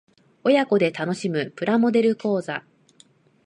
親子で楽しむプラモデル講座